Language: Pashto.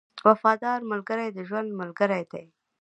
• وفادار ملګری د ژوند ملګری دی.